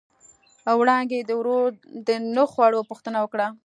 وړانګې د ورور د نه خوړو پوښتنه وکړه.